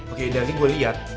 oke dari gue liat